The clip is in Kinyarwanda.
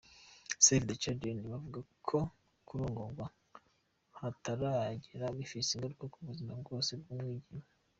Save the Children bavuga ko kurongorwa hataragera bifise ingaruka ku buzima bwose bw’umwigeme.